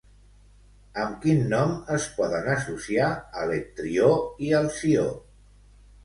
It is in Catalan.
Amb quin nom es poden associar Alectrió i Halció?